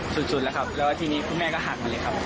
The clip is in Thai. สุดแล้วที่นี่คุณแม่ก็หักมันเลยครับ